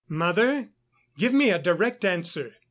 "Mother, give me a direct answer.